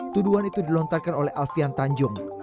tuduhan itu dilontarkan oleh alfian tanjung